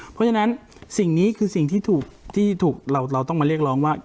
เพราะฉะนั้นสิ่งนี้คือสิ่งที่ถูกเราต้องมาเรียกร้องว่า